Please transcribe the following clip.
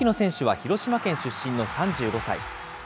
槙野選手は広島県出身の３５歳。